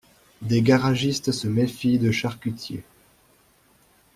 Des garagistes se méfient de charcutiers.